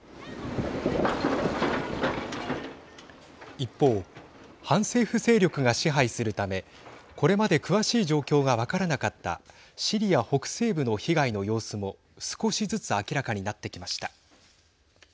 一方反政府勢力が支配するためこれまで詳しい状況が分からなかったシリア北西部の被害の様子も少しずつ明らかになってきました。